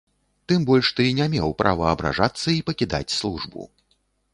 Тым больш, ты не меў права абражацца і пакідаць службу.